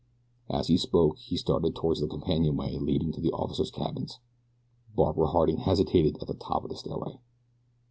As he spoke he started toward the companionway leading to the officers' cabins. Barbara Harding hesitated at the top of the stairway.